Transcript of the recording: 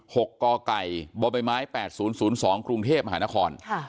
หกกไก่บใบไม้แปดศูนย์ศูนย์สองกรุงเทพมหานครค่ะ